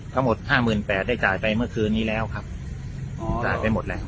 ทั้งหมดห้าหมื่นแปดได้จ่ายไปเมื่อคืนนี้แล้วครับอ๋อจ่ายไปหมดแล้ว